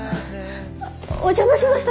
お邪魔しました。